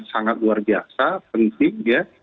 sangat luar biasa penting ya